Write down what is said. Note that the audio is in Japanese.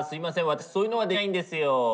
私そういうのはできないんですよ。